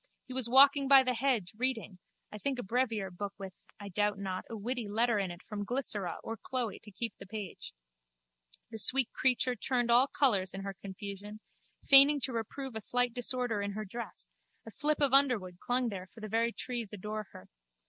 He was walking by the hedge, reading, I think a brevier book with, I doubt not, a witty letter in it from Glycera or Chloe to keep the page. The sweet creature turned all colours in her confusion, feigning to reprove a slight disorder in her dress: a slip of underwood clung there for the very trees adore her.